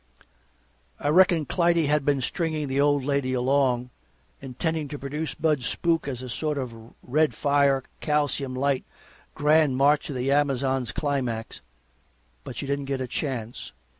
I reckon Clytie had been stringing the old lady along, intending to produce Bud's spook as a sort of red fire, calcium light, grand march of the Amazons climax, but she didn't get a chance.